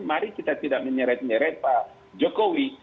mari kita tidak menyeret nyeret pak jokowi